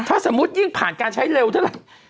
ถ้าสมมุติยิ่งผ่านการใช้เร็วเท่าไหร่